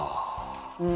うん。